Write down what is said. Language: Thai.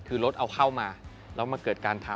คือรถเอาเข้ามาแล้วมาเกิดการทำ